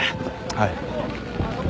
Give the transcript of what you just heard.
はい。